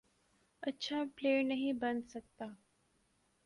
اچھا پلئیر نہیں بن سکتا،